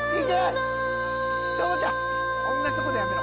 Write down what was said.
おんなじとこでやめろ。